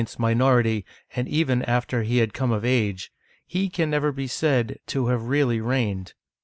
's minority and even after he had come of age, he can never be said to have really reigned.